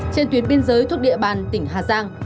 trên tuyến biên giới thuộc địa bàn tỉnh hà giang